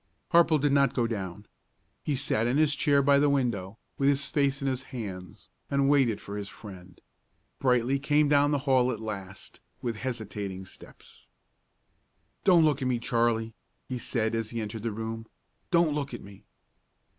Harple did not go down. He sat in his chair by the window, with his face in his hands, and waited for his friend. Brightly came down the hall at last, with hesitating steps. "Don't look at me, Charley," he said, as he entered the room; "don't look at me!"